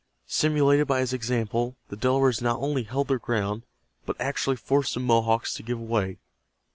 Stimulated by his example, the Delawares not only held their ground, but actually forced the Mohawks to give way.